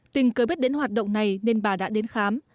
tình cớ biết đến hoạt động này nên bà đã đến khám